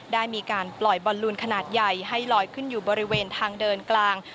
ได้มีการปล่อยบอลลูนขนาดใหญ่ให้ลอยขึ้นอยู่บริเวณทางเดินกลาง